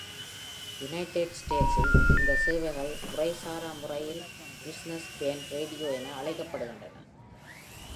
United ஸ்டேட்ஸில் இந்த சேவைகள் முறைசாரா முறையில் பிஸினஸ் பேன்ட் ரேடியோ என அழைக்கப்படுகின்றன.